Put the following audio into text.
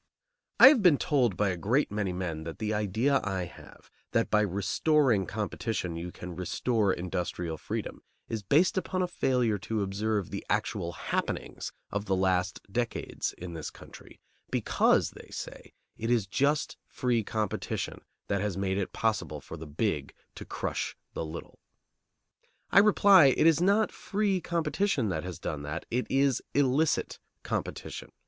I have been told by a great many men that the idea I have, that by restoring competition you can restore industrial freedom, is based upon a failure to observe the actual happenings of the last decades in this country; because, they say, it is just free competition that has made it possible for the big to crush the little. I reply, it is not free competition that has done that; it is illicit competition.